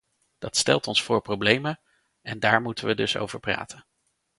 Dat stelt ons voor problemen en daar moeten we dus over praten.